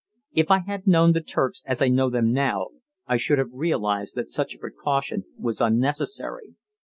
If I had known the Turks as I know them now, I should have realized that such a precaution was unnecessary.